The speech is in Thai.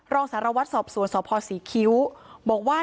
รองสารวัตรสอบสวนสพศรีคิ้วบอกว่า